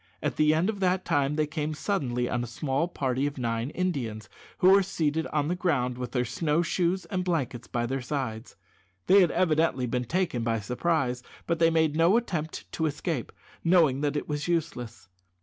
At the end of that time they came suddenly on a small party of nine Indians, who were seated on the ground with their snow shoes and blankets by their sides. They had evidently been taken by surprise, but they made no attempt to escape, knowing that it was useless.